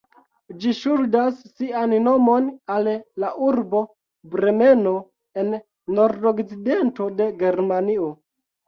Ĝi ŝuldas sian nomon al la urbo Bremeno en nordokcidento de Germanio.